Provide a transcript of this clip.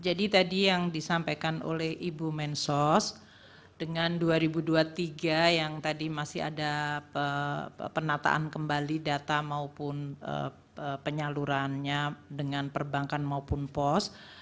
jadi tadi yang disampaikan oleh ibu mensos dengan dua ribu dua puluh tiga yang tadi masih ada penataan kembali data maupun penyalurannya dengan perbankan maupun pos